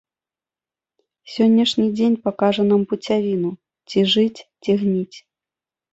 Сягонняшні дзень пакажа нам пуцявіну, ці жыць, ці гніць.